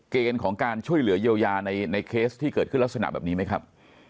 เกณฑ์ของการช่วยเหลือเยียวยาในเคสที่เกิดขึ้นลักษณะแบบนี้ไหมครับ